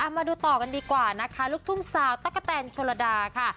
มาดูต่อกันดีกว่านะคะลูกทุ่งสาวตั๊กกะแตนโชลดาค่ะ